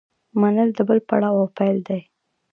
منل د بل پړاو پیل دی.